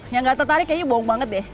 yang gak tertarik kayaknya bohong banget deh